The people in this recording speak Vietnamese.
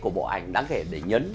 của bộ ảnh đáng kể để nhấn